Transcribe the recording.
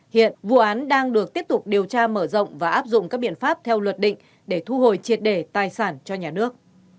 hiện vụ án đang được tiếp tục điều tra mở rộng và áp dụng các biện pháp theo luật định để thu hồi triệt đề tài sản cho nhà nước